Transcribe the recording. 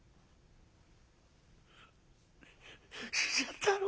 死んじゃったの？